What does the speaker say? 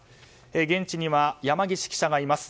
現地には山岸記者がいます。